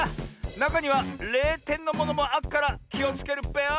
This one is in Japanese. なかには０てんのものもあっからきをつけるっぺよ！